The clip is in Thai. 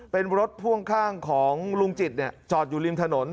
เป็นรถพ่วงข้างของลุงจิตจอดอยู่ริมถนน